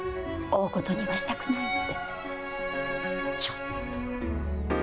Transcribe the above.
大ごとにはしたくないので、ちょっと。